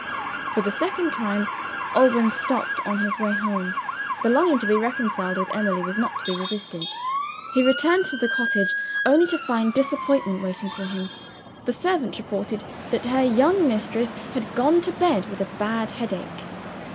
For the second time Alban stopped, on his way home. The longing to be reconciled with Emily was not to be resisted. He returned to the cottage, only to find disappointment waiting for him. The servant reported that her young mistress had gone to bed with a bad headache.